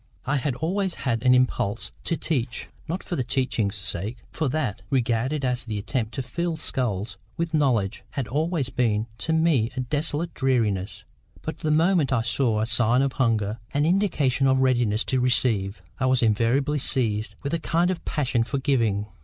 I had always had an impulse to teach; not for the teaching's sake, for that, regarded as the attempt to fill skulls with knowledge, had always been to me a desolate dreariness; but the moment I saw a sign of hunger, an indication of readiness to receive, I was invariably seized with a kind of passion for giving.